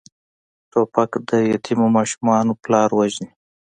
توپک د یتیمو ماشومانو پلار وژني.